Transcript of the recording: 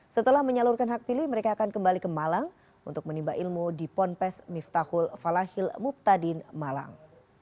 setelah menyalurkan hak pilih mereka akan kembali ke malang untuk menimba ilmu di ponpes miftahul falahhil muptadin malang